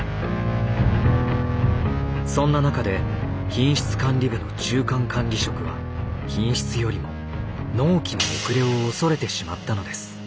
そんな中で品質管理部の中間管理職は品質よりも納期の遅れを恐れてしまったのです。